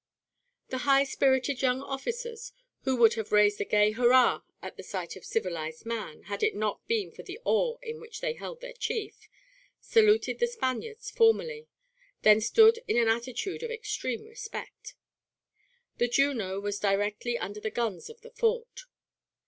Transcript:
The high spirited young officers, who would have raised a gay hurrah at the sight of civilized man had it not been for the awe in which they held their chief, saluted the Spaniards formally, then stood in an attitude of extreme respect; the Juno was directly under the guns of the fort.